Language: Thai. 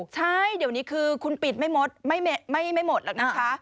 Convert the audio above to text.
ใช่เดี๋ยวนี้คือคุณปิดไม่หมดไม่หมดหรอกนะคะ